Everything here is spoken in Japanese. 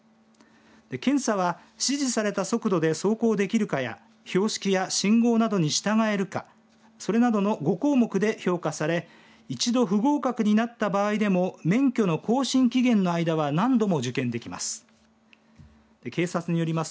検査は指示された速度で走行できるかや標識や信号などに従えるかそれなどの５項目で評価され一度不合格になった場合でも免許の更新期限の間は何度も受験できます。